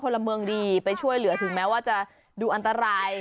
พลเมืองดีไปช่วยเหลือถึงแม้ว่าจะดูอันตราย